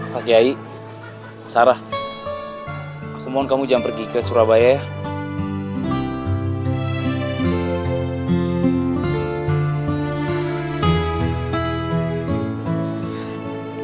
pak kiai sarah aku mohon kamu jangan pergi ke surabaya